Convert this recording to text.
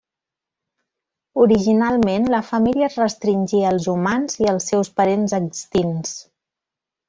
Originalment, la família es restringia als humans i els seus parents extints.